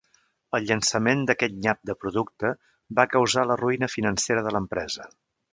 El llançament d'aquest nyap de producte va causar la ruïna financera de l'empresa.